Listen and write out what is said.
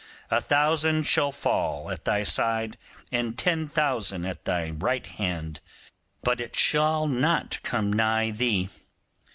A thousand shall fall at thy side, and ten thousand at thy right hand; but it shall not come nigh thee.